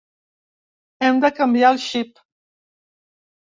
Hem de canviar el xip.